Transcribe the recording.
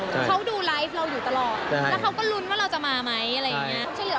เขาดูไลฟ์เราอยู่ตลอดแล้วเขาก็ลุ้นว่าเราจะมาไหมอะไรอย่างเงี้ย